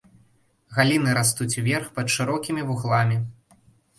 Галіны растуць ўверх пад шырокімі вугламі.